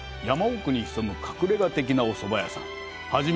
山奥に潜む隠れ家的なおそば屋さん。